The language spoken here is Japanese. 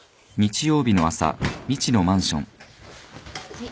はい。